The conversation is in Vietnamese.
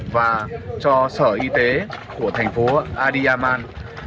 và cho sở y tế của thành phố adiyaman